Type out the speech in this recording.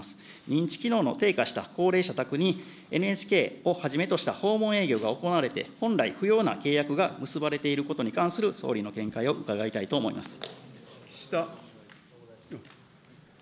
認知機能の低下した高齢者宅に、ＮＨＫをはじめとした訪問営業が行われて、本来、不要な契約が結ばれていることに関する総理の見解を伺いたいと思います。